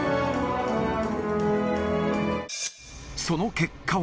その結果は。